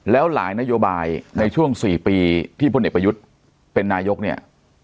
แล้วหลายนโยบายในช่วง๔ปีที่พลเอกประยุทธ์เป็นนายกเนี่ย